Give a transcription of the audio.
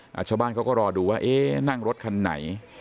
นะฮะชาวบ้านก็รอดูว่านั่งรถคันไหน